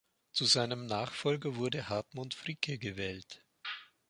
Zu seinem Nachfolger wurde Hartmut Fricke gewählt.